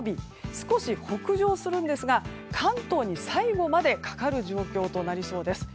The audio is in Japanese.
少し北上するんですが関東に最後までかかる状況となりそうです。